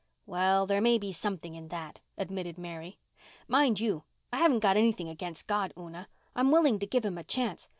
"Well, there may be something in that," admitted Mary. "Mind you, I haven't got anything against God, Una. I'm willing to give Him a chance.